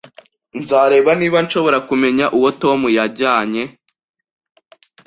Nzareba niba nshobora kumenya uwo Tom yajyanye